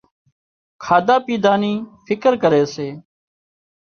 کاڌا پيڌا ني فڪر ڪري سي